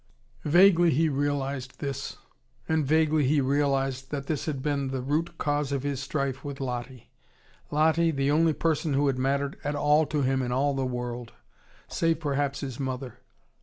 Vaguely he realised this. And vaguely he realised that this had been the root cause of his strife with Lottie: Lottie, the only person who had mattered at all to him in all the world: save perhaps his mother.